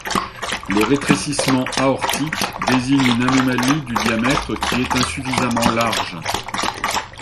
Le rétrécissement aortique désigne une anomalie du diamètre qui est insuffisamment large.